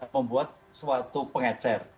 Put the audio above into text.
membuat suatu pengecer